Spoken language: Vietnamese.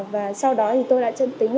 và sau đó thì tôi đã chân tính lại bản thân